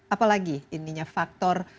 apalagi intinya faktor